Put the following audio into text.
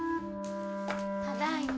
ただいま。